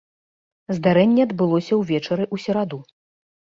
Здарэнне адбылося ўвечары ў сераду.